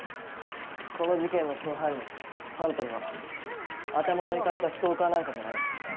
この事件の真犯人ファントムは頭のイカれたストーカーなんかじゃないよ。